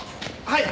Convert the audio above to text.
はい！